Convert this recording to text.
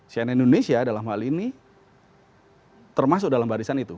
cnn indonesia dalam hal ini termasuk dalam barisan itu